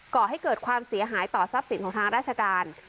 ก่อให้เกิดความเสียหายต่อทรัพย์สินของทางราชการ